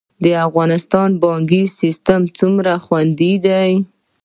د افغانستان بانکي سیستم څومره خوندي دی؟